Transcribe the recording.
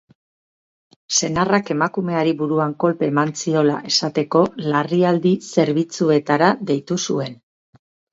Senarrak emakumeari buruan kolpe eman ziola esateko, larrialdi zerbitzuetara deitu zuen.